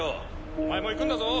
お前も行くんだぞ。